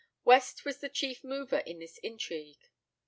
West was the chief mover in this intrigue.